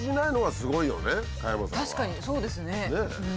確かにそうですねうん。